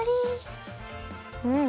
うん！